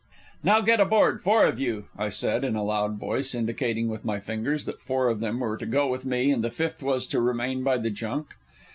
"Now get aboard, four of you," I said in a loud voice, indicating with my fingers that four of them were to go with me and the fifth was to remain by the junk.